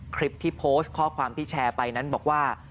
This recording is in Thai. คลิปที่โพสต์ข้อความที่แชร์ไปนั้นบอกว่า